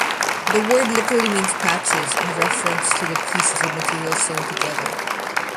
The word literally means "patches", in reference to the pieces of material sewn together.